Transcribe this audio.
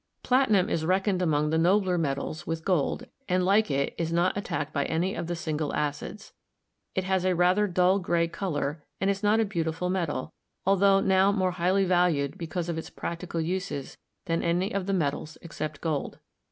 Platinum is reckoned among the nobler metals with gold, and like it is not attacked by any of the single acids. It has a rather dull gray color, and is not a beautiful metal, altho now more highly valued because of its practical uses than any of the metals except gold.